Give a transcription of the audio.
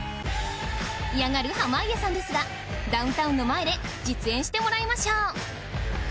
嫌がる濱家さんですがダウンタウンの前で実演してもらいましょう！